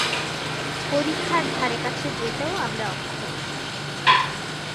পরিখার ধারে কাছে যেতেও আমরা অক্ষম।